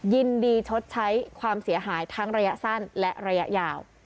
ชดใช้ความเสียหายทั้งระยะสั้นและระยะยาว